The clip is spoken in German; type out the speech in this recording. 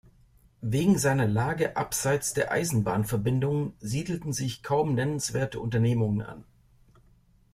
Wegen seiner Lage abseits der Eisenbahnverbindungen siedelten sich kaum nennenswerte Unternehmungen an.